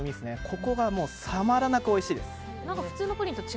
ここがたまらなくおいしいです。